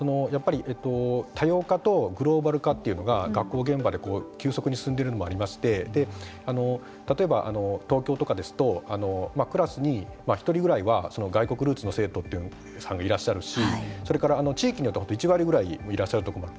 多様化とグローバル化というのが学校現場で急速に進んでいるのもありまして例えば東京とかですとクラスに１人ぐらいは外国ルーツの生徒さんがいらっしゃるしそれから地域によって１割ぐらいいらっしゃるところもある。